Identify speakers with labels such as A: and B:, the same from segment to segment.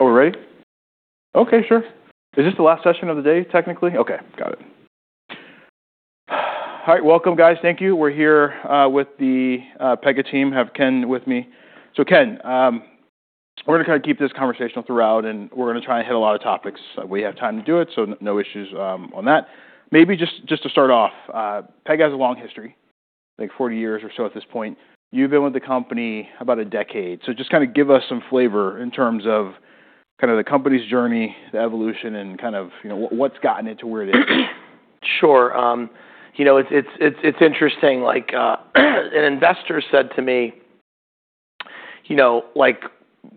A: Are we ready? Okay, sure. Is this the last session of the day, technically? Okay. Got it. All right. Welcome, guys. Thank you. We're here, with the Pega team. Have Ken with me. Ken, we're gonna kinda keep this conversational throughout, and we're gonna try and hit a lot of topics. We have time to do it, so no issues on that. Maybe just to start off, Pega has a long history, like 40 years or so at this point. You've been with the company about a decade. Just kinda give us some flavor in terms of kind of the company's journey, the evolution, and kind of, you know, what's gotten it to where it is.
B: Sure. You know, it's, it's interesting, like, an investor said to me, you know, like,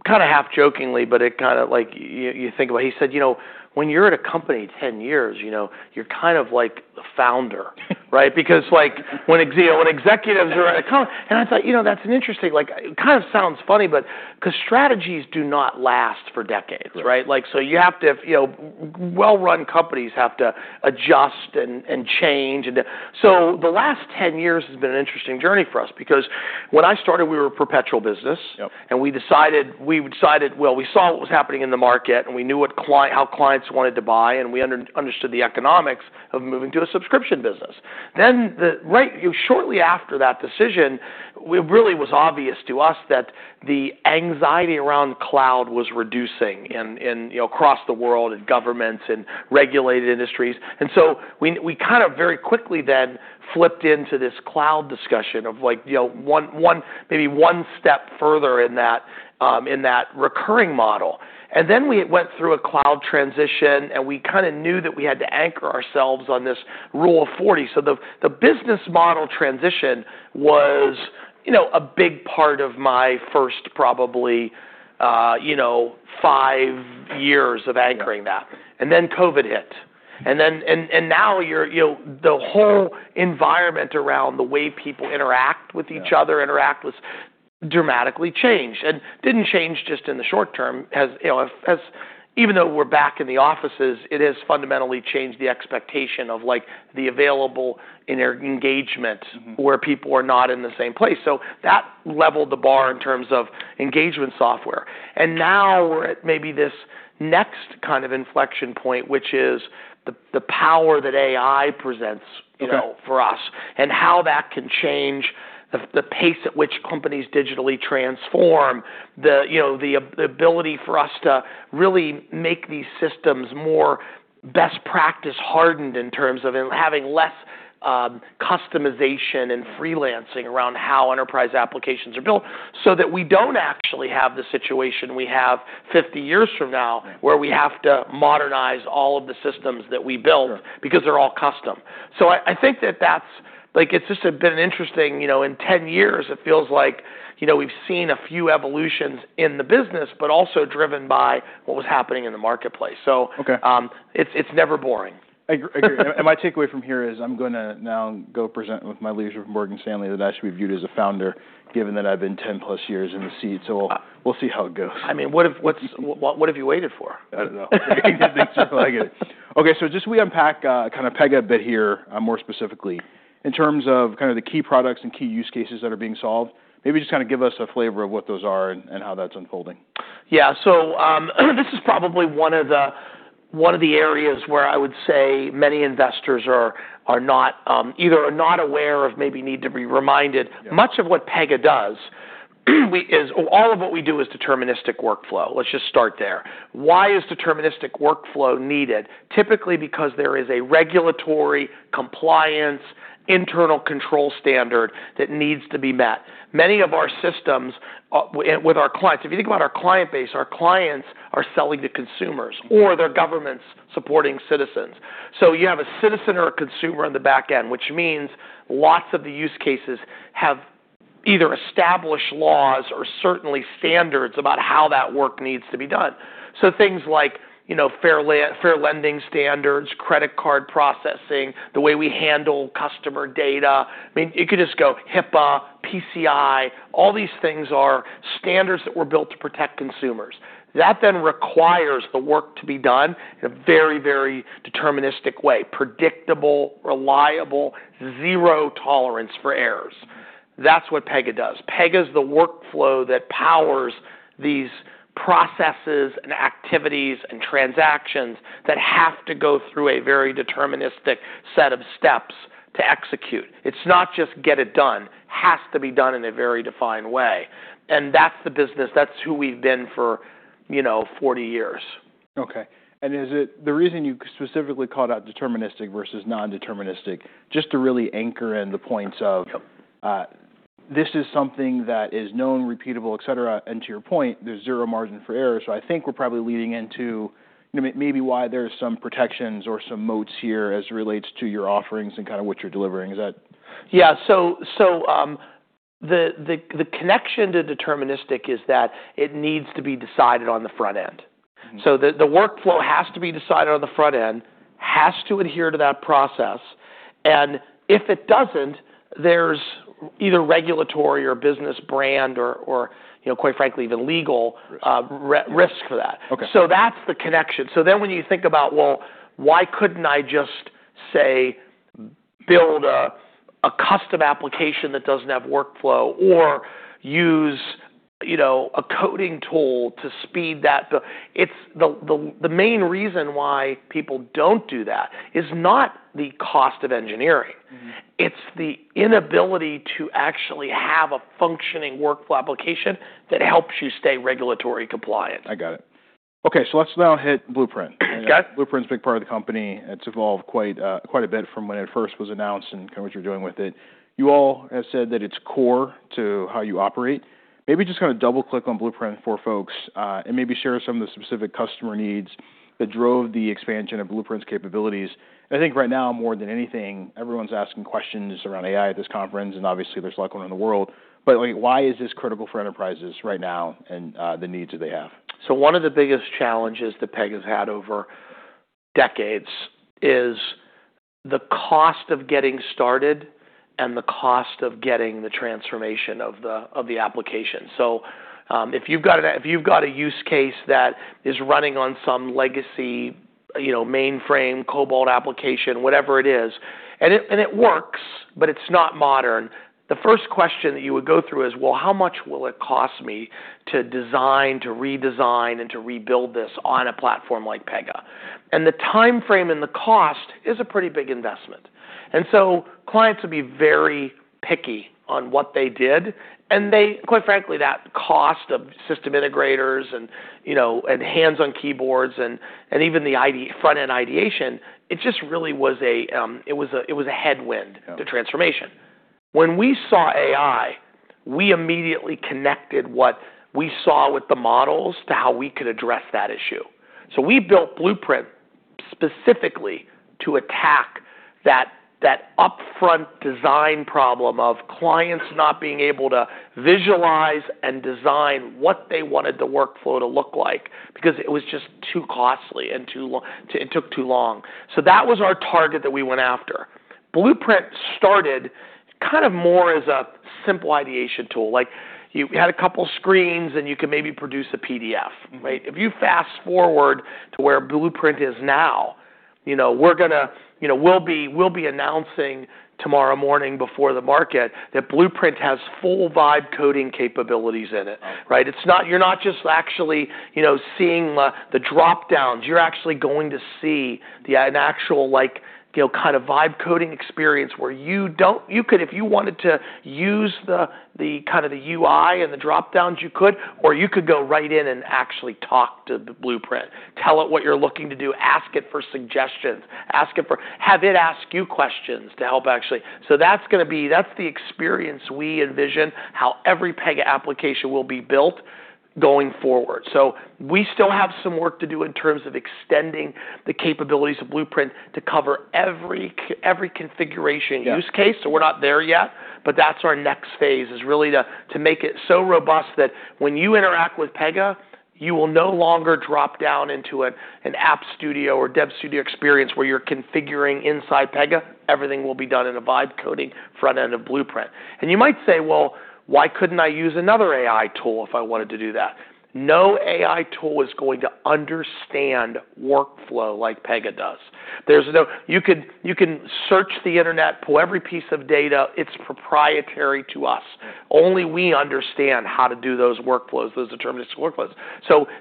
B: kinda half jokingly, but it kinda like you think about. He said, "You know, when you're at a company 10 years, you know, you're kind of like the founder." Right? Because, like, you know, when executives are at a company. I thought, you know, that's an interesting. Like, it kind of sounds funny, but 'cause strategies do not last for decades. Right? You know, well-run companies have to adjust and change. The last 10 years has been an interesting journey for us because when I started, we were a perpetual business. We decided, well, we saw what was happening in the market, and we knew what how clients wanted to buy, and we understood the economics of moving to a subscription business. Right, you know, shortly after that decision, really was obvious to us that the anxiety around cloud was reducing in, you know, across the world and governments and regulated industries. We, we kind of very quickly then flipped into this cloud discussion of like, you know, one, maybe one step further in that, in that recurring model. We went through a cloud transition, and we kinda knew that we had to anchor ourselves on this Rule of 40. The business model transition was, you know, a big part of my first probably, you know, five years of anchoring that, then COVID hit. Then, and now you're, you know, the whole environment around the way people interact with each other interact with dramatically changed. Didn't change just in the short term. As, you know, as even though we're back in the offices, it has fundamentally changed the expectation of, like, the available inter engagement where people are not in the same place. That leveled the bar in terms of engagement software. Now we're at maybe this next kind of inflection point, which is the power that AI presents, you know, for us, and how that can change the pace at which companies digitally transform the, you know, the ability for us to really make these systems more best practice hardened in terms of having less customization and freelancing around how enterprise applications are built, so that we don't actually have the situation we have 50 years from now where we have to modernize all of the systems that we build because they're all custom. I think that that's, like, it's just been interesting. You know, in 10 years, it feels like, you know, we've seen a few evolutions in the business, but also driven by what was happening in the marketplace it's never boring.
A: Agree. My takeaway from here is I'm gonna now go present with my leaders from Morgan Stanley that I should be viewed as a founder, given that I've been 10+ years in the seat. We'll see how it goes.
B: I mean, what have you waited for?
A: I don't know. Exactly. Okay. Just we unpack, kind of Pega a bit here, more specifically in terms of kind of the key products and key use cases that are being solved. Maybe just kinda give us a flavor of what those are and how that's unfolding?
B: Yeah. This is probably one of the areas where I would say many investors are not either are not aware of maybe need to be reminded. Much of what Pega does, is all of what we do is deterministic workflow. Let's just start there. Why is deterministic workflow needed? Typically, because there is a regulatory compliance, internal control standard that needs to be met. Many of our systems, with our clients, if you think about our client base, our clients are selling to consumers or they're governments supporting citizens. You have a citizen or a consumer on the back end, which means lots of the use cases have either established laws or certainly standards about how that work needs to be done. Things like, you know, fair lending standards, credit card processing, the way we handle customer data. I mean, you could just go HIPAA, PCI. All these things are standards that were built to protect consumers. That requires the work to be done in a very, very deterministic way. Predictable, reliable, zero tolerance for errors. That's what Pega does. Pega is the workflow that powers these processes and activities and transactions that have to go through a very deterministic set of steps to execute. It's not just get it done. Has to be done in a very defined way, and that's the business. That's who we've been for, you know, 40 years.
A: Okay. Is it the reason you specifically called out deterministic versus non-deterministic, just to really anchor in the points of this is something that is known, repeatable, et cetera. To your point, there's zero margin for error. I think we're probably leading into maybe why there's some protections or some moats here as it relates to your offerings and kind of what you're delivering. Is that?
B: Yeah. The connection to deterministic is that it needs to be decided on the front end. The, the workflow has to be decided on the front end, has to adhere to that process, and if it doesn't, there's either regulatory or business brand or, you know, quite frankly, even legal re-risk for that. That's the connection. When you think about, well, why couldn't I just, say, build a custom application that doesn't have workflow or use, you know, a coding tool to speed that, it's the main reason why people don't do that is not the cost of engineering. It's the inability to actually have a functioning workflow application that helps you stay regulatory compliant.
A: I got it. Okay, let's now hit Blueprint.
B: Okay.
A: Blueprint's a big part of the company. It's evolved quite a bit from when it first was announced and kind of what you're doing with it. You all have said that it's core to how you operate. Maybe just kind of double-click on Blueprint for folks, and maybe share some of the specific customer needs that drove the expansion of Blueprint's capabilities. I think right now, more than anything, everyone's asking questions around AI at this conference, and obviously there's a lot going on in the world, but, like, why is this critical for enterprises right now and the needs that they have?
B: One of the biggest challenges that Pega's had over decades is the cost of getting started and the cost of getting the transformation of the application. If you've got a use case that is running on some legacy, you know, mainframe, COBOL application, whatever it is, and it works. It's not modern, the first question that you would go through is, "Well, how much will it cost me to design, to redesign, and to rebuild this on a platform like Pega?" The timeframe and the cost is a pretty big investment. Clients would be very picky on what they did, and they, quite frankly, that cost of system integrators and, you know, and hands on keyboards and even the front-end ideation, it just really was a headwind to transformation. When we saw AI, we immediately connected what we saw with the models to how we could address that issue. We built Blueprint specifically to attack that upfront design problem of clients not being able to visualize and design what they wanted the workflow to look like because it was just too costly and it took too long. That was our target that we went after. Blueprint started kind of more as a simple ideation tool. Like, you had a couple screens and you could maybe produce a PDF. Right? If you fast-forward to where Blueprint is now, you know, we're gonna, you know, we'll be announcing tomorrow morning before the market that Blueprint has full live coding capabilities in it. Right? It's not, you're not just actually, you know, seeing the drop-downs. You're actually going to see an actual, like, you know, kind of live coding experience where you don't, you could, if you wanted to use the kind of the UI and the drop-downs you could, or you could go right in and actually talk to the Blueprint, tell it what you're looking to do, ask it for suggestions, ask it for. Have it ask you questions to help actually. That's gonna be, that's the experience we envision how every Pega application will be built going forward. We still have some work to do in terms of extending the capabilities of Blueprint to cover every configuration use case. We're not there yet, but that's our next phase is really to make it so robust that when you interact with Pega, you will no longer drop down into a, an App Studio or Dev Studio experience where you're configuring inside Pega. Everything will be done in a live coding front end of Blueprint. You might say, "Well, why couldn't I use another AI tool if I wanted to do that?" No AI tool is going to understand workflow like Pega does. There's no, you could, you can search the internet, pull every piece of data. It's proprietary to us. Only we understand how to do those workflows, those deterministic workflows.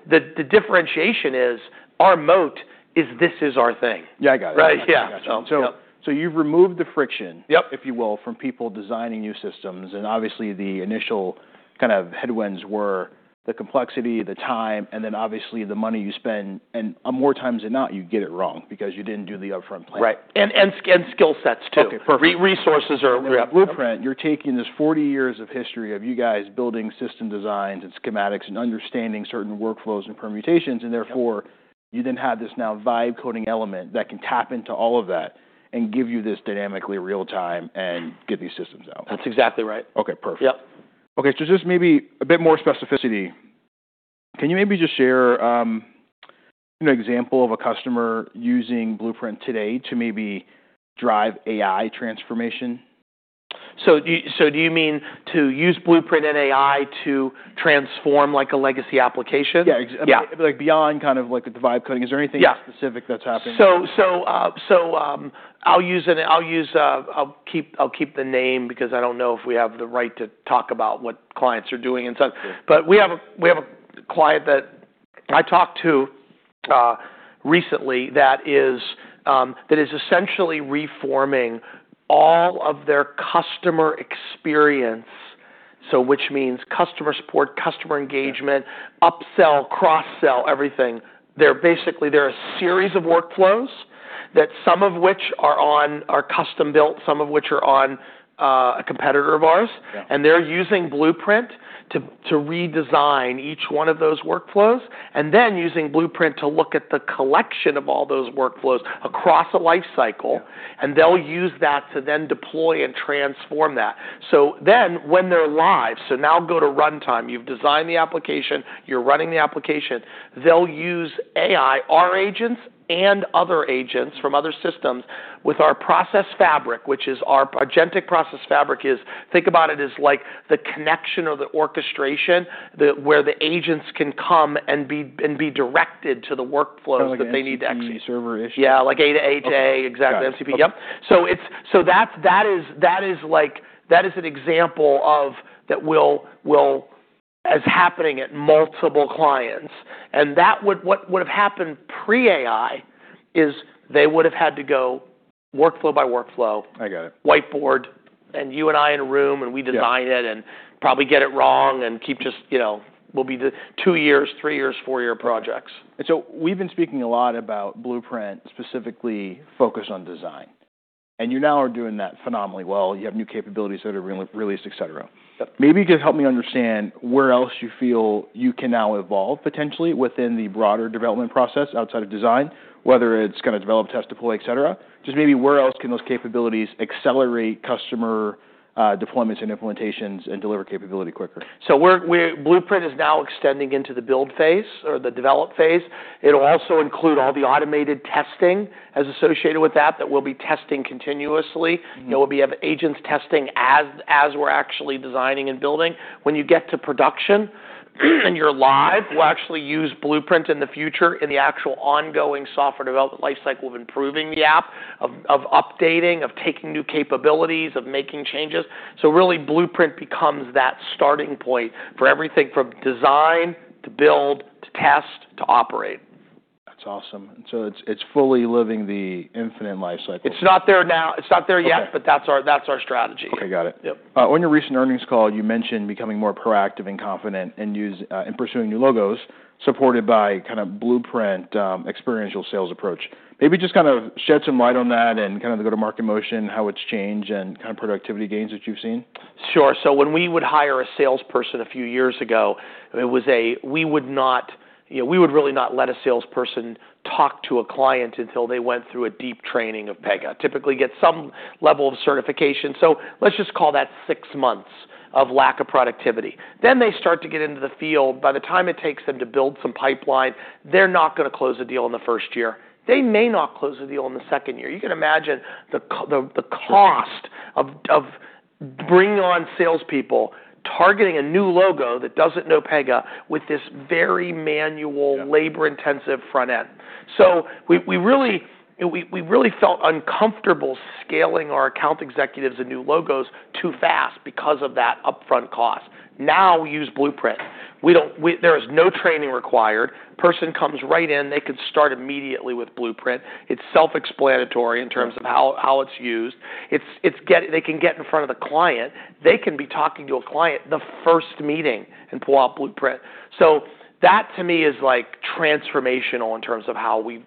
B: The differentiation is our moat is this is our thing.
A: Yeah, I got it.
B: Right? Yeah.
A: I got you. You've removed the friction if you will, from people designing new systems, and obviously the initial kind of headwinds were the complexity, the time, and then obviously the money you spend, and more times than not, you get it wrong because you didn't do the upfront planning.
B: Right. Skill sets too.
A: Okay, perfect.
B: Resources are, yeah.
A: With Blueprint, you're taking this 40 years of history of you guys building system designs and schematics and understanding certain workflows and permutations, you then have this now live coding element that can tap into all of that and give you this dynamically real time and get these systems out.
B: That's exactly right.
A: Okay, perfect. Okay, just maybe a bit more specificity. Can you maybe just share an example of a customer using Blueprint today to maybe drive AI transformation?
B: Do you mean to use Blueprint and AI to transform, like, a legacy application?
A: Like, beyond kind of like the live coding. Is there anything specific that's happening?
B: I'll use, I'll keep the name because I don't know if we have the right to talk about what clients are doing and such.
A: Sure.
B: We have a client that I talked to recently that is essentially reforming all of their customer experience, which means customer support, customer engagement upsell, cross-sell, everything. They're basically, they're a series of workflows that some of which are on, are custom built, some of which are on, a competitor of ours. They're using Blueprint to redesign each one of those workflows, then using Blueprint to look at the collection of all those workflows across a life cycle, they'll use that to then deploy and transform that. When they're live, now go to runtime. You've designed the application. You're running the application. They'll use AI, our agents and other agents from other systems, with our Process Fabric. Our Agentic Process Fabric is, think about it as, like, the connection or the orchestration that, where the agents can come and be directed to the workflows.
A: Kind of like an MCP server-ish?
B: That they need to access. Yeah, like AJAJ.
A: Okay. Got it.
B: Exactly. MCP. Yep.
A: Okay.
B: That is an example of that happening at multiple clients. What would have happened pre-AI is they would have had to go workflow by workflow.
A: I got it.
B: Whiteboard, and you and I in a room, and we design it probably get it wrong and keep just, you know, we'll be the two years, three years, four-year projects.
A: We've been speaking a lot about Blueprint specifically focused on design, and you now are doing that phenomenally well. You have new capabilities that are re-released, et cetera. Maybe you could help me understand where else you feel you can now evolve potentially within the broader development process outside of design, whether it's gonna develop, test, deploy, et cetera. Maybe where else can those capabilities accelerate customer deployments and implementations and deliver capability quicker?
B: We're Blueprint is now extending into the build phase or the develop phase. It'll also include all the automated testing as associated with that we'll be testing continuously. There will be of agents testing as we're actually designing and building. When you get to production and you're live, we'll actually use Blueprint in the future in the actual ongoing software development lifecycle of improving the app, of updating, of taking new capabilities, of making changes. Really, Blueprint becomes that starting point for everything from design to build, to test, to operate.
A: That's awesome. It's fully living the infinite life cycle.
B: It's not there now. It's not there yet.
A: Okay.
B: That's our strategy.
A: Okay. Got it. On your recent earnings call, you mentioned becoming more proactive and confident in use, in pursuing new logos supported by kind of Blueprint, experiential sales approach. Maybe just kind of shed some light on that and kind of the go-to-market motion, how it's changed and kind of productivity gains that you've seen.
B: Sure. When we would hire a salesperson a few years ago, we would really not let a salesperson talk to a client until they went through a deep training of Pega. Typically get some level of certification. Let's just call that six months of lack of productivity. They start to get into the field. By the time it takes them to build some pipeline, they're not gonna close a deal in the first year. They may not close a deal in the second year. You can imagine the cost of bringing on salespeople targeting a new logo that doesn't know Pega with this very manual labor-intensive front end. We really felt uncomfortable scaling our account executives and new logos too fast because of that upfront cost. Now, we use Blueprint. There is no training required. Person comes right in, they can start immediately with Blueprint. It's self-explanatory in terms of how it's used. They can get in front of the client. They can be talking to a client the first meeting and pull out Blueprint. That to me is like transformational in terms of how we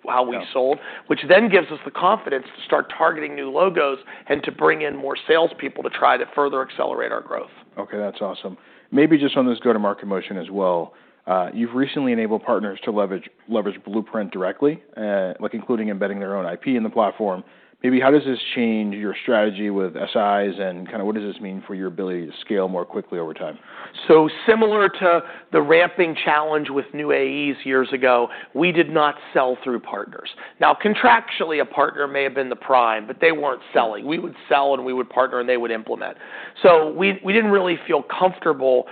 B: sold which then gives us the confidence to start targeting new logos and to bring in more salespeople to try to further accelerate our growth.
A: Okay, that's awesome. Maybe just on this go-to-market motion as well. You've recently enabled partners to leverage Blueprint directly, like including embedding their own IP in the platform. Maybe how does this change your strategy with SIs and kinda what does this mean for your ability to scale more quickly over time?
B: Similar to the ramping challenge with new AEs years ago, we did not sell through partners. Contractually, a partner may have been the prime, but they weren't selling. We would sell, and we would partner, and they would implement. We didn't really feel comfortable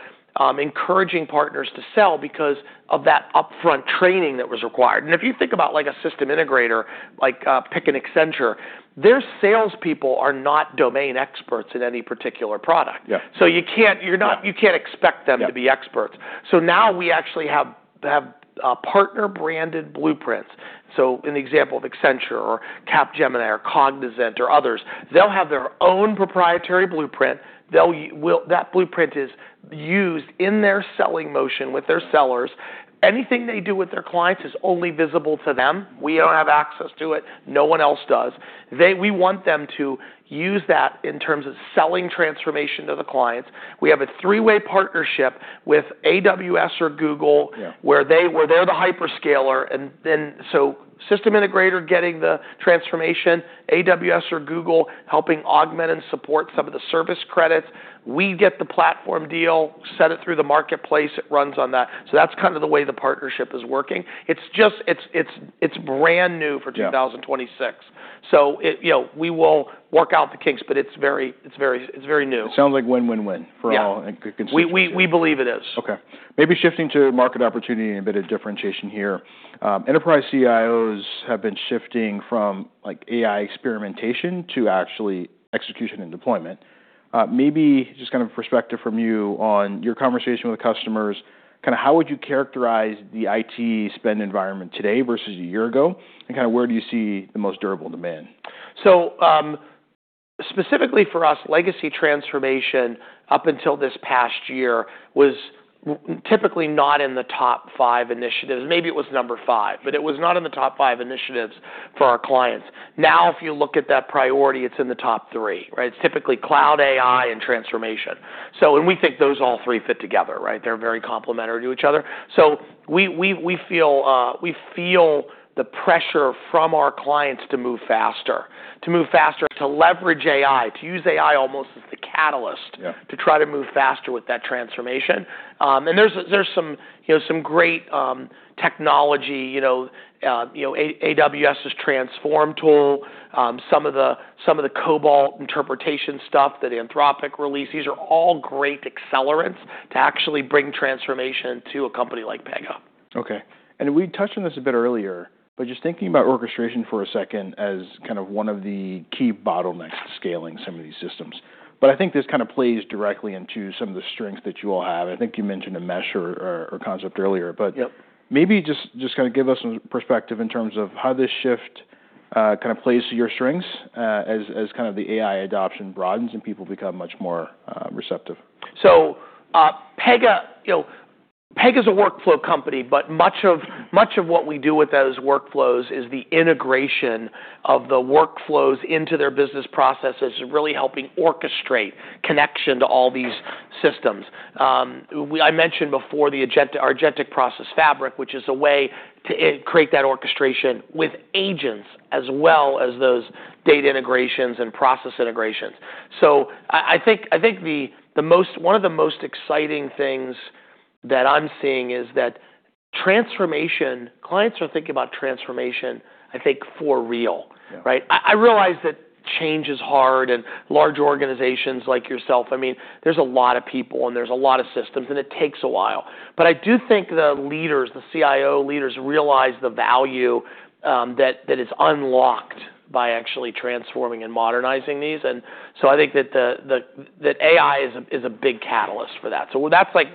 B: encouraging partners to sell because of that upfront training that was required. If you think about like a system integrator like pick an Accenture, their salespeople are not domain experts in any particular product. You can't, you're not you can't expect them to be experts. Now we actually have partner-branded Blueprints. An example of Accenture or Capgemini or Cognizant or others, they'll have their own proprietary Blueprint. That Blueprint is used in their selling motion with their sellers. Anything they do with their clients is only visible to them. We don't have access to it. No one else does. We want them to use that in terms of selling transformation to the clients. We have a three-way partnership with AWS or Google. Where they're the hyperscaler, and then so system integrator getting the transformation, AWS or Google helping augment and support some of the service credits. We get the platform deal, set it through the marketplace, it runs on that. That's kind of the way the partnership is working. It's just, it's brand new for 2026. It, you know, we will work out the kinks, but it's very new.
A: It sounds like win-win-win for all and consistency.
B: We believe it is.
A: Okay. Maybe shifting to market opportunity and a bit of differentiation here. Enterprise CIOs have been shifting from like AI experimentation to actually execution and deployment. Maybe just kind of perspective from you on your conversation with customers, kinda how would you characterize the IT spend environment today versus a year ago? Kinda where do you see the most durable demand?
B: Specifically for us, legacy transformation up until this past year was typically not in the top five initiatives. Maybe it was number five, but it was not in the top five initiatives for our clients. If you look at that priority, it's in the top three, right? It's typically cloud, AI, and transformation. We think those all three fit together, right? They're very complementary to each other. We feel the pressure from our clients to move faster, to leverage AI, to use AI almost as the catalyst to try to move faster with that transformation. There's some, you know, some great technology, you know, AWS's Transform tool, some of the code interpretation stuff that Anthropic released. These are all great accelerants to actually bring transformation to a company like Pega.
A: Okay. We touched on this a bit earlier, but just thinking about orchestration for a second as kind of one of the key bottlenecks to scaling some of these systems. I think this kind of plays directly into some of the strengths that you all have. I think you mentioned a mesh or concept earlier maybe just kinda give us some perspective in terms of how this shift, kind of plays to your strengths, as kind of the AI adoption broadens and people become much more receptive.
B: Pega, you know, Pega's a workflow company, but much of what we do with those workflows is the integration of the workflows into their business processes, really helping orchestrate connection to all these systems. I mentioned before the Agentic Process Fabric, which is a way to create that orchestration with agents as well as those data integrations and process integrations. I think the most, one of the most exciting things that I'm seeing is that transformation, clients are thinking about transformation, I think, for real, right? I realize that change is hard, and large organizations like yourself, I mean, there's a lot of people, and there's a lot of systems, and it takes a while. But I do think the leaders, the CIO leaders realize the value that is unlocked by actually transforming and modernizing these. I think that the, that AI is a, is a big catalyst for that. That's, like,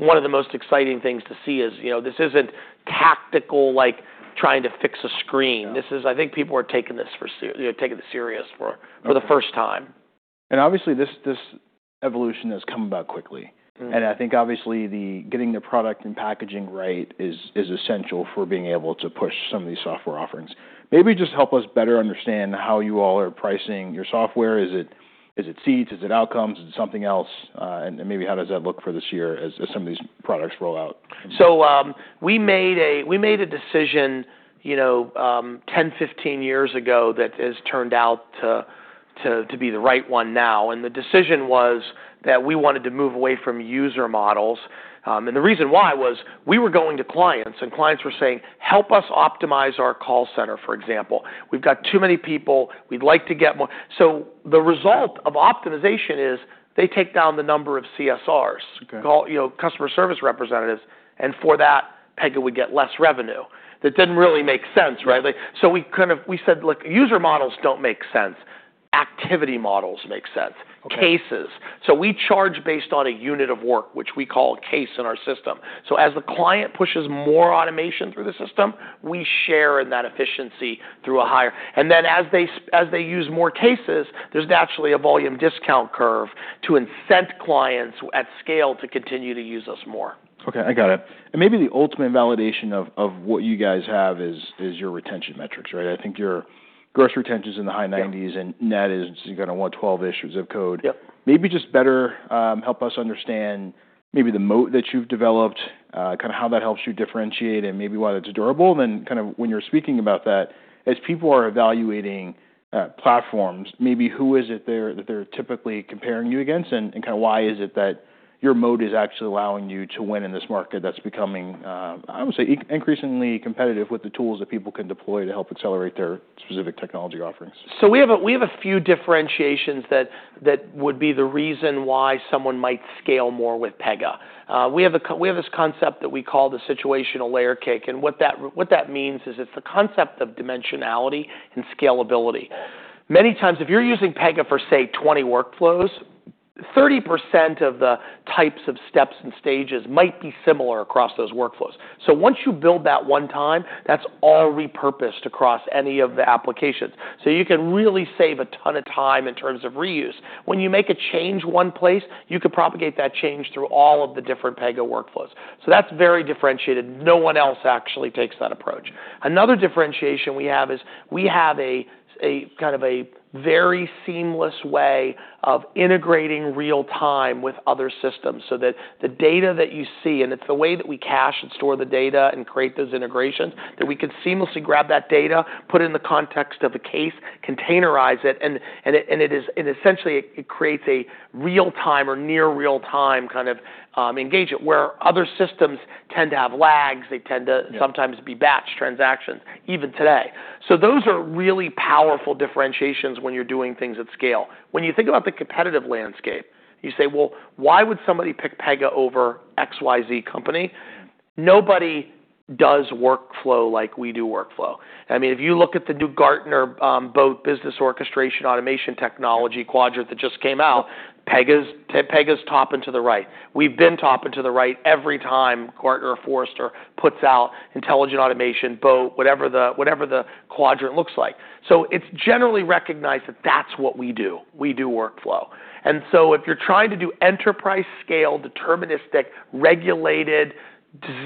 B: one of the most exciting things to see is, you know, this isn't tactical, like, trying to fix a screen. This is, I think, people are taking this for, you know, taking it serious for the first time.
A: Obviously this evolution has come about quickly. I think obviously the getting the product and packaging right is essential for being able to push some of these software offerings. Maybe just help us better understand how you all are pricing your software. Is it seats? Is it outcomes? Is it something else? Maybe how does that look for this year as some of these products roll out?
B: We made a decision, you know, 10, 15 years ago that has turned out to be the right one now. The decision was that we wanted to move away from user models. The reason why was we were going to clients, and clients were saying, "Help us optimize our call center," for example. "We've got too many people. We'd like to get more". The result of optimization is they take down the number of CSRs.
A: Okay.
B: Call, you know, customer service representatives, and for that, Pega would get less revenue. That didn't really make sense, right? Like, we said, Look, user models don't make sense. Activity models make sense.
A: Okay.
B: Cases. We charge based on a unit of work, which we call a case in our system. As the client pushes more automation through the system, we share in that efficiency. As they use more cases, there's naturally a volume discount curve to incent clients at scale to continue to use us more.
A: Okay, I got it. Maybe the ultimate validation of what you guys have is your retention metrics, right? I think your gross retention's in the high 90s. Net is you got a 112-ish of code. Maybe just better help us understand maybe the moat that you've developed, kind of how that helps you differentiate and maybe why that's durable. Kind of when you're speaking about that, as people are evaluating platforms, maybe who is it they're typically comparing you against, and kind of why is it that your moat is actually allowing you to win in this market that's becoming increasingly competitive with the tools that people can deploy to help accelerate their specific technology offerings.
B: We have a few differentiations that would be the reason why someone might scale more with Pega. We have this concept that we call the Situational Layer Cake, and what that means is it's the concept of dimensionality and scalability. Many times, if you're using Pega for, say, 20 workflows, 30% of the types of steps and stages might be similar across those workflows. Once you build that one time, that's all repurposed across any of the applications. You can really save a ton of time in terms of reuse. When you make a change one place, you could propagate that change through all of the different Pega workflows. That's very differentiated. No one else actually takes that approach. Another differentiation we have is we have a kind of a very seamless way of integrating real-time with other systems so that the data that you see, and it's the way that we cache and store the data and create those integrations, that we can seamlessly grab that data, put it in the context of a case, containerize it, and essentially it creates a real-time or near real-time kind of engagement, where other systems tend to have lags sometimes be batched transactions, even today. Those are really powerful differentiations when you're doing things at scale. When you think about the competitive landscape, you say, "Well, why would somebody pick Pega over XYZ company? Nobody does workflow like we do workflow. I mean, if you look at the new Gartner BOAT Business Orchestration and Automation Technology quadrant that just came out, Pega's top and to the right. We've been top and to the right every time Gartner, Forrester puts out intelligent automation, BOAT, whatever the quadrant looks like. It's generally recognized that that's what we do. We do workflow. If you're trying to do enterprise scale, deterministic, regulated,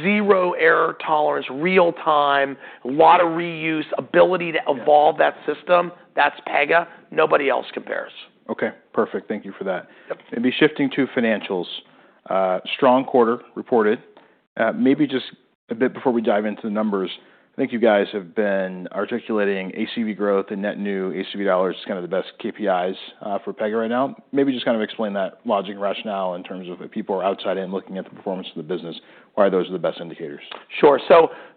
B: zero error tolerance, real time, lot of reuse, ability to evolve that system, that's Pega. Nobody else compares.
A: Okay, perfect. Thank you for that. Maybe shifting to financials. Strong quarter reported. Maybe just a bit before we dive into the numbers. I think you guys have been articulating ACV growth and net new ACV dollars, kind of the best KPIs for Pega right now. Maybe just kind of explain that logic rationale in terms of if people are outside in looking at the performance of the business, why those are the best indicators.
B: Sure.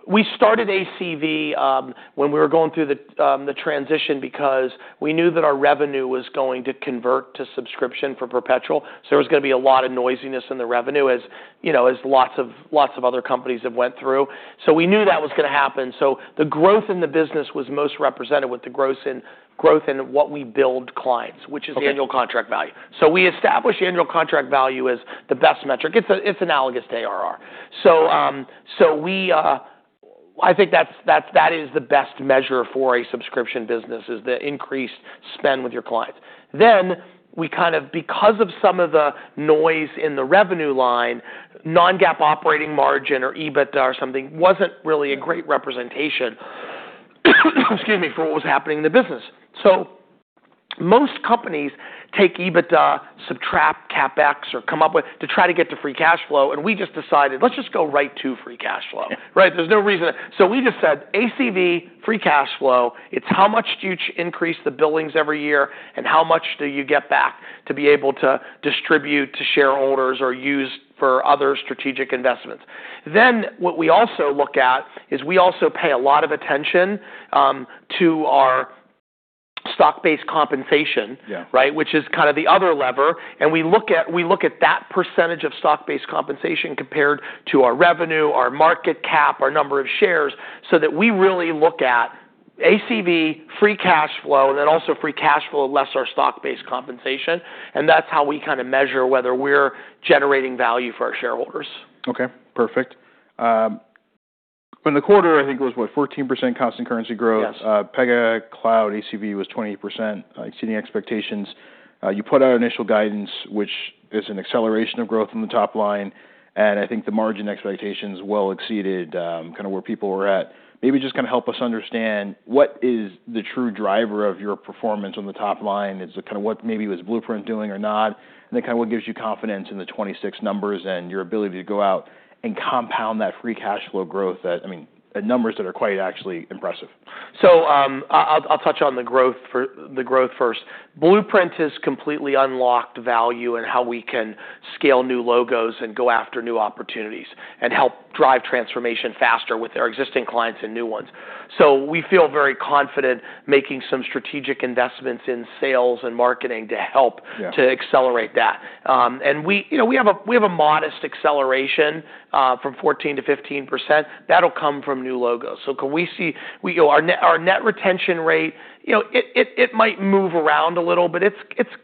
B: We started ACV when we were going through the transition because we knew that our revenue was going to convert to subscription for perpetual. There was gonna be a lot of noisiness in the revenue, as, you know, as lots of other companies have went through. We knew that was gonna happen. The growth in the business was most represented with the growth in what we build clients which is the annual contract value. We established the annual contract value as the best metric. It's analogous to ARR. We, I think that is the best measure for a subscription business, is the increased spend with your clients. We kind of, because of some of the noise in the revenue line, non-GAAP operating margin or EBITDA or something, wasn't really a great representation, excuse me, for what was happening in the business. Most companies take EBITDA, subtract CapEx, or come up with to try to get to free cash flow, and we just decided, let's just go right to free cash flow. Right? There's no reason. We just said, ACV, free cash flow, it's how much do you increase the billings every year and how much do you get back to be able to distribute to shareholders or use for other strategic investments. What we also look at is we also pay a lot of attention to our stock-based compensation right? Which is kind of the other lever. We look at that percentage of stock-based compensation compared to our revenue, our market cap, our number of shares. We really look at ACV, free cash flow, and then also free cash flow less our stock-based compensation. That's how we kinda measure whether we're generating value for our shareholders.
A: Okay. Perfect. In the quarter, I think it was, what, 14% constant currency growth?
B: Yes.
A: Pega Cloud ACV was 20%, exceeding expectations. You put out initial guidance, which is an acceleration of growth in the top line, and I think the margin expectations well exceeded kinda where people were at. Maybe just kinda help us understand what is the true driver of your performance on the top line? Is it kinda what maybe was Blueprint doing or not? Then kinda what gives you confidence in the 26 numbers and your ability to go out and compound that free cash flow growth at, I mean, at numbers that are quite actually impressive.
B: I'll touch on the growth first. Blueprint has completely unlocked value in how we can scale new logos and go after new opportunities and help drive transformation faster with our existing clients and new ones. We feel very confident making some strategic investments in sales and marketing to help to accelerate that. We, you know, we have a, we have a modest acceleration, from 14%-15%. That'll come from new logos. We go our net, our net retention rate, you know, it might move around a little, but it's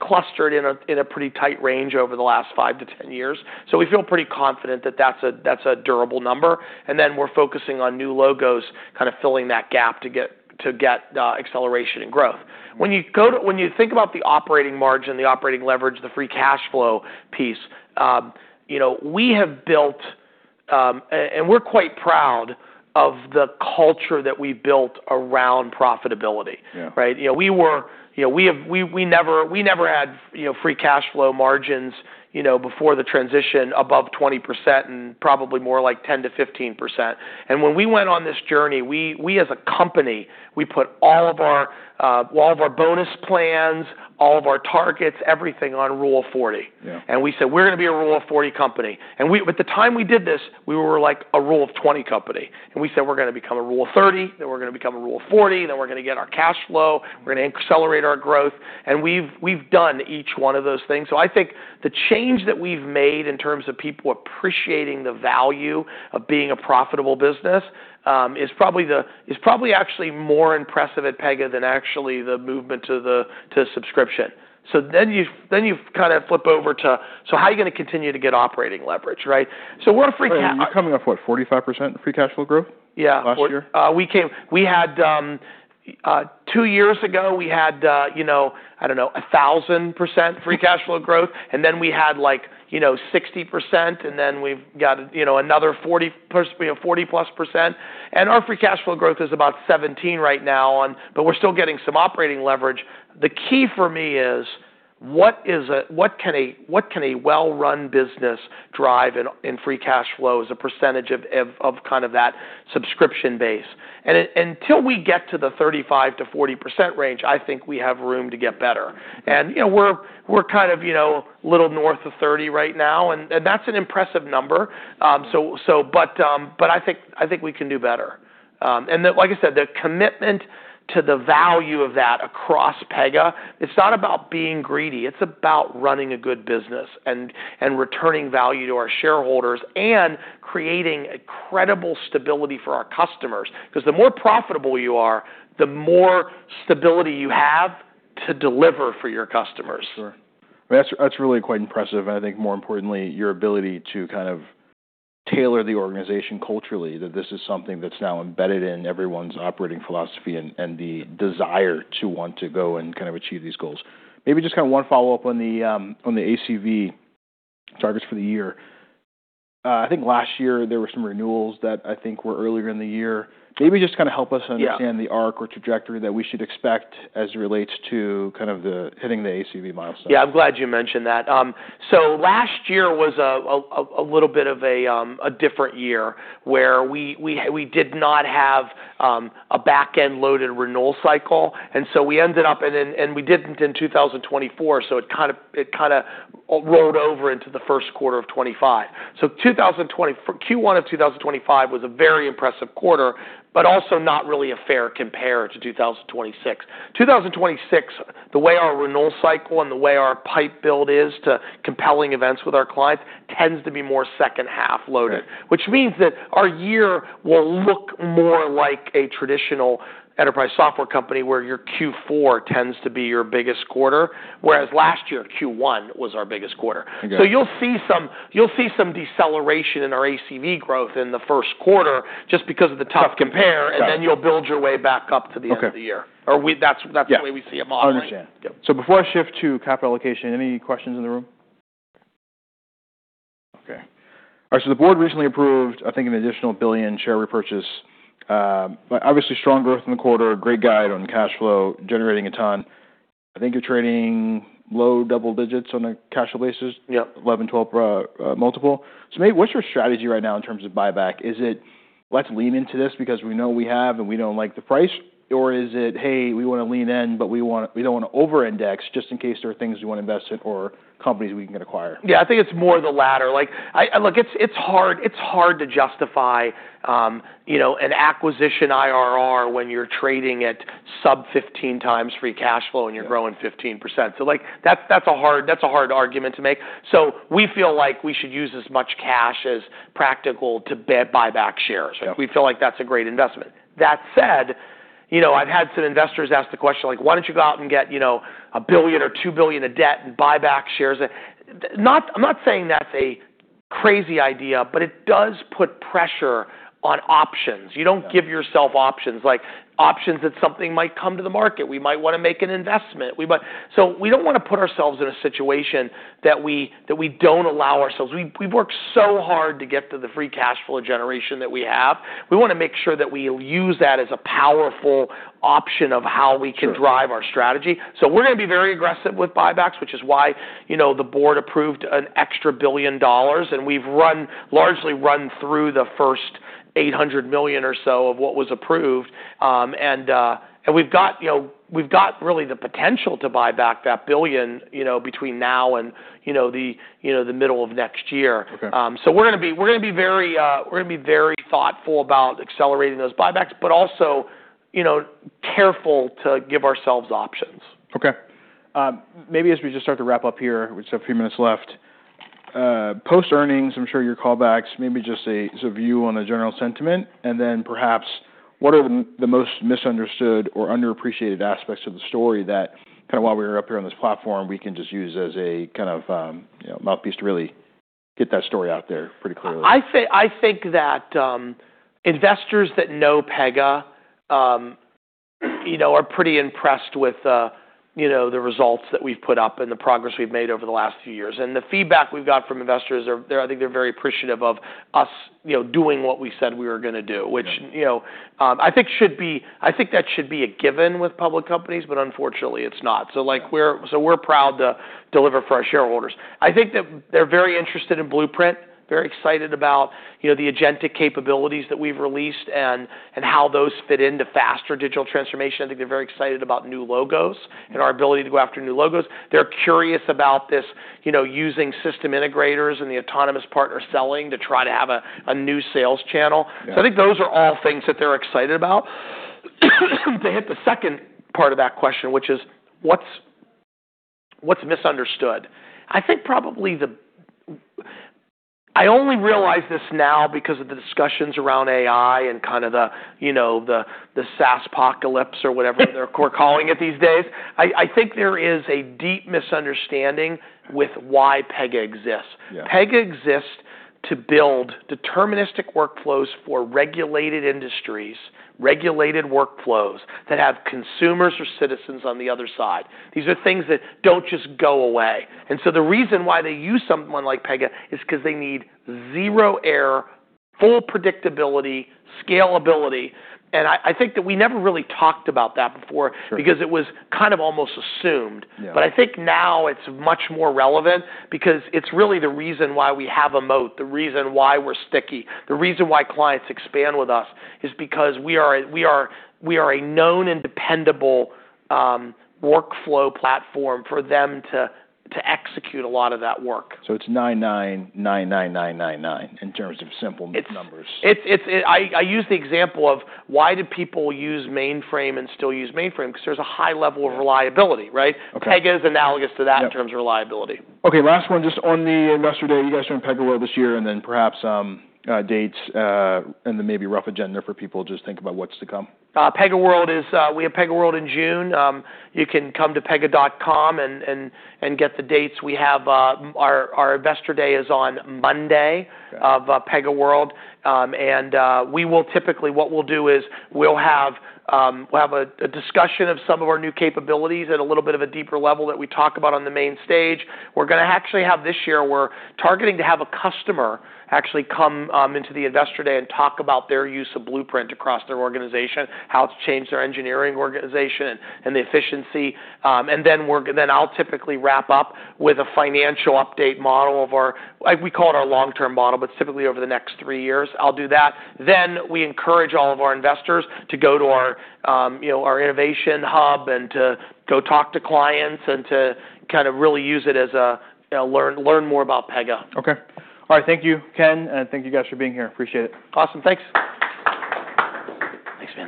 B: clustered in a, in a pretty tight range over the last five to 10 years. We feel pretty confident that that's a, that's a durable number, and then we're focusing on new logos kind of filling that gap to get acceleration and growth. You think about the operating margin, the operating leverage, the free cash flow piece, you know, we have built, and we're quite proud of the culture that we built around profitability. Right? You know, we were, you know, we never had, you know, free cash flow margins, you know, before the transition above 20% and probably more like 10%-15%. When we went on this journey, we as a company, we put all of our, all of our bonus plans, all of our targets, everything on Rule of 40. We said, "We're gonna be a Rule of 40 company." At the time we did this, we were like a Rule of 20 company, and we said, "We're gonna become a Rule of 30, then we're gonna become a Rule of 40, then we're gonna get our cash flow, we're gonna accelerate our growth." We've done each one of those things. I think the change that we've made in terms of people appreciating the value of being a profitable business, is probably actually more impressive at Pega than actually the movement to subscription. You, then you kind of flip over to, how are you gonna continue to get operating leverage, right? We're a free cash.
A: You're coming up what, 45% free cash flow growth last year?
B: We had, two years ago, we had, you know, I don't know, 1,000% free cash flow growth, and then we had like, you know, 60%, and then we've got, you know, another you know, 40+%. Our free cash flow growth is about 17 right now on, but we're still getting some operating leverage. The key for me is, what can a well-run business drive in free cash flow as a percentage of kind of that subscription base? Until we get to the 35%-40% range, I think we have room to get better. You know, we're kind of, you know, a little north of 30 right now, and that's an impressive number. I think we can do better. Like I said, the commitment to the value of that across Pega, it's not about being greedy, it's about running a good business and returning value to our shareholders, and creating a credible stability for our customers. 'Cause the more profitable you are, the more stability you have to deliver for your customers.
A: Sure. That's really quite impressive. I think more importantly, your ability to kind of tailor the organization culturally, that this is something that's now embedded in everyone's operating philosophy and the desire to want to go and kind of achieve these goals. Maybe just kind of one follow-up on the on the ACV targets for the year. I think last year there were some renewals that I think were earlier in the year. Maybe just kinda help us understand the arc or trajectory that we should expect as it relates to kind of the hitting the ACV milestone.
B: Yeah. I'm glad you mentioned that. Last year was a little bit of a different year where we did not have a back-end loaded renewal cycle, we ended up, we didn't in 2024, it kinda, it kinda rolled over into the first quarter of 2025. Q1 of 2025 was a very impressive quarter, not really a fair compare to 2026. 2026, the way our renewal cycle and the way our pipe build is to compelling events with our clients tends to be more second half loaded. Which means that our year will look more like a traditional enterprise software company where your Q4 tends to be your biggest quarter, whereas last year, Q1 was our biggest quarter.
A: Okay.
B: You'll see some deceleration in our ACV growth in the first quarter just because of the tough compare.
A: Got it.
B: And then you'll build your way back up to the end of the year. That's the way we see it modeling.
A: Understand. Before I shift to capital allocation, any questions in the room? Okay. All right, the board recently approved, I think, an additional $1 billion share repurchase. Obviously strong growth in the quarter, great guide on cash flow, generating a ton. I think you're trading low double digits on a cash flow basis. 11, 12, multiple. What's your strategy right now in terms of buyback? Is it, "Let's lean into this because we know we have and we don't like the price?" Or is it, "Hey, we wanna lean in, but we don't wanna over-index just in case there are things we wanna invest in or companies we can acquire?
B: Yeah. I think it's more the latter. Like, look, it's hard to justify, you know, an acquisition IRR when you're trading at sub 15 times free cash flow and you're growing 15% like, that's a hard argument to make. We feel like we should use as much cash as practical to buy back shares. We feel like that's a great investment. You know, I've had some investors ask the question, like, "Why don't you go out and get, you know, $1 billion or $2 billion of debt and buy back shares?" I'm not saying that's a crazy idea. It does put pressure on options. You don't give yourself options, like options that something might come to the market. We might wanna make an investment. We don't wanna put ourselves in a situation that we don't allow ourselves. We've worked so hard to get to the free cash flow generation that we have. We wanna make sure that we use that as a powerful option of how we can drive our strategy. We're gonna be very aggressive with buybacks, which is why, you know, the board approved an extra $1 billion, and we've run, largely run through the first $800 million or so of what was approved. And we've got, you know, we've got really the potential to buy back that $1 billion, you know, between now and, you know, the middle of next year.
A: Okay.
B: We're gonna be very thoughtful about accelerating those buybacks, but also, you know, careful to give ourselves options.
A: Okay. Maybe as we just start to wrap up here, we just have a few minutes left. Post-earnings, I'm sure your callbacks, maybe just a view on the general sentiment, then perhaps what are the most misunderstood or underappreciated aspects of the story that kinda while we were up here on this platform, we can just use as a kind of, you know, mouthpiece to really get that story out there pretty clearly?
B: I think that investors that know Pega, you know, are pretty impressed with, you know, the results that we've put up and the progress we've made over the last few years. The feedback we've got from investors are, I think they're very appreciative of us, you know, doing what we said we were gonna do, you know, I think that should be a given with public companies, but unfortunately it's not. We're proud to deliver for our shareholders. I think that they're very interested in Blueprint, very excited about, you know, the agentic capabilities that we've released and how those fit into faster digital transformation. I think they're very excited about new logos and our ability to go after new logos. They're curious about this, you know, using system integrators and the autonomous partner selling to try to have a new sales channel. I think those are all things that they're excited about. To hit the second part of that question, which is what's misunderstood? I think probably the, I only realize this now because of the discussions around AI and kind of the, you know, the SaaS apocalypse or whatever they're calling it these days. I think there is a deep misunderstanding with why Pega exists. Pega exists to build deterministic workflows for regulated industries, regulated workflows that have consumers or citizens on the other side. These are things that don't just go away. The reason why they use someone like Pega is 'cause they need zero error, full predictability, scalability. I think that we never really talked about that before. Because it was kind of almost assumed. I think now it's much more relevant because it's really the reason why we have a moat, the reason why we're sticky. The reason why clients expand with us is because we are a known and dependable workflow platform for them to execute a lot of that work.
A: It's 9-9-9-9-9-9-9 in terms of simple numbers.
B: I use the example of why do people use mainframe and still use mainframe? 'Cause there's a high level of reliability, right?
A: Okay.
B: Pega is analogous to that in terms of reliability.
A: Okay, last one just on the Investor Day. You guys are in PegaWorld this year, and then perhaps, dates, and then maybe rough agenda for people just thinking about what's to come.
B: PegaWorld is, we have PegaWorld in June. You can come to pega.com and get the dates. We have our Investor Day is on Monday, of PegaWorld. We will typically, what we'll do is we'll have a discussion of some of our new capabilities at a little bit of a deeper level that we talk about on the main stage. We're gonna actually have, this year we're targeting to have a customer actually come into the Investor Day and talk about their use of Blueprint across their organization, how it's changed their engineering organization and the efficiency. Then I'll typically wrap up with a financial update model of our, like, we call it our long-term model, but typically over the next three years, I'll do that. We encourage all of our investors to go to our, you know, our Innovation Hub and to go talk to clients and to kind of really use it as a, you know, learn more about Pega.
A: Okay. All right. Thank you, Ken, and thank you guys for being here. Appreciate it.
B: Awesome. Thanks. Thanks, man.